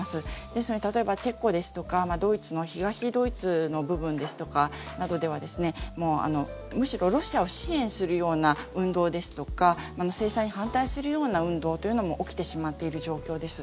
ですので例えばチェコですとかドイツの東ドイツの部分などではむしろロシアを支援するような運動ですとか制裁に反対するような運動というのも起きてしまっている状況です。